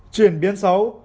chuyển biến xấu